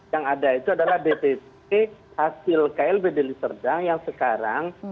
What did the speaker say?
yang ada itu adalah dpp hasil klb deli serdang yang sekarang